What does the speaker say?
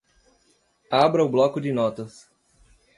Abra o bloco de notas.